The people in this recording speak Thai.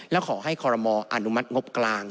และขอให้คอรมออนุมัติงบกลาง